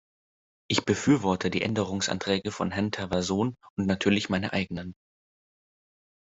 Ich befürworte die Änderungsanträge von Herrn Teverson und natürlich meine eigenen.